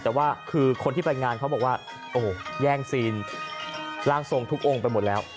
แต่ว่าคือคนที่ไปงานเขาบอกว่าโอ้โหแย่งซีนร่างทรงทุกองค์ไปหมดแล้ว